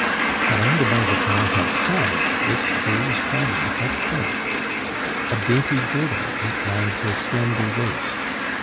Mme. de Bargeton had solved this curious problem at sight. A dainty girdle outlined her slender waist.